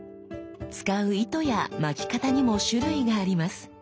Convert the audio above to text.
使う糸や巻き方にも種類があります。